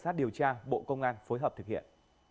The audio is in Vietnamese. cảnh sát điều tra bộ công an phối hợp thực hiện